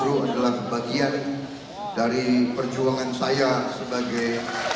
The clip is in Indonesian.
itu adalah bagian dari perjuangan saya sebagai